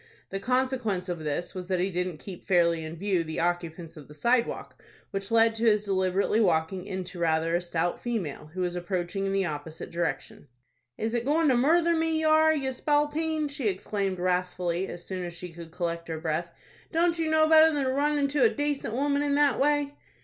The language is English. The consequence of this was that he didn't keep fairly in view the occupants of the sidewalk, which led to his deliberately walking into rather a stout female, who was approaching in the opposite direction. "Is it goin' to murther me ye are, you spalpeen?" she exclaimed, wrathfully, as soon as she could collect her breath. "Don't you know better than to run into a dacent woman in that way?"